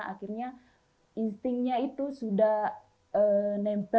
akhirnya instingnya itu sudah nempel